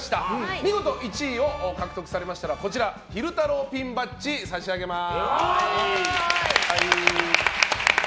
見事１位を獲得されましたら昼太郎ピンバッジを差し上げます。